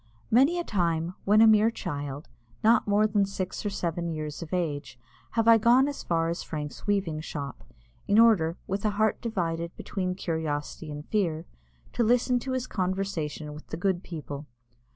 Many a time, when a mere child, not more than six or seven years of age, have I gone as far as Frank's weaving shop, in order, with a heart divided between curiosity and fear, to listen to his conversation with the good people.